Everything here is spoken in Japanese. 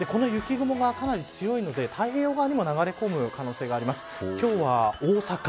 この雪雲がかなり強いので太平洋側にも流れ込む可能性があります。